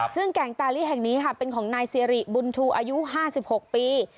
ซึ่งแก่งตาลิแห่งนี้ค่ะเป็นของนายสิริบุญชูอายุ๕๖ปี